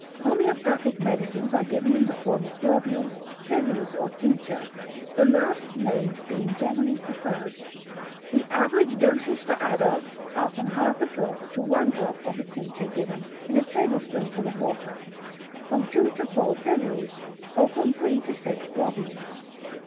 Homoeopathic medicines are given in the form of globules, pilules, or tincture, the last named being generally preferred. The average doses for adults are from half a drop to one drop of the tincture given in a tablespoonful of water, from two to four pilules, or from three to six globules.